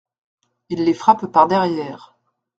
Il les frappe par derrière.